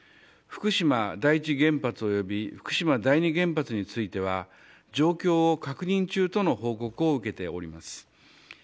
福島第一原発及び福島第二原発については状況を確認中との報告を受けております。